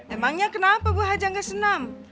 emangnya kenapa bu haja gak senam